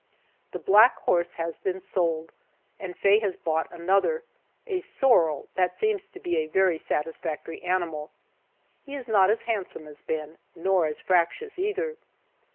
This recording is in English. The black horse has been sold, and Faye has bought another, a sorrel, that seems to be a very satisfactory animal. He is not as handsome as Ben, nor as fractious, either.